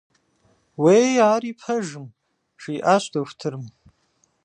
Уэи, ари пэжым, - жиӀащ дохутырым.